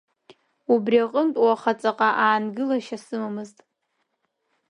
Убри аҟынтә уаха ҵаҟа аангылашьа сымамызт.